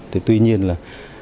thì tuy nhiên là